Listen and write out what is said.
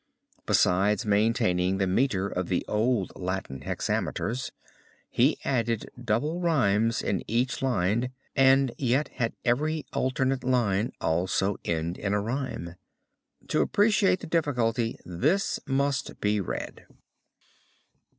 Besides maintaining the meter of the old Latin hexameters he added double rhymes in each line and yet had every alternate line also end in a rhyme. To appreciate the difficulty this must be read.